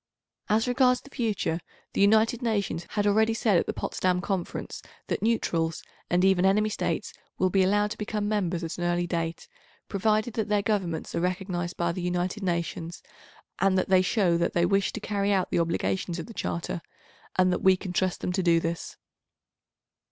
As regards the future, the United Nations had already said at the Potsdam Conference that neutrals and even enemy States will be allowed to become members at an early date, provided that their Governments are recognised by the United Nations, and that they show that they wish to carry out the obligations of the Charter, and that we can trust them to do this.